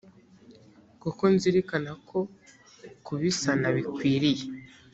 kuko nzirikana ko kubisana bikwiriye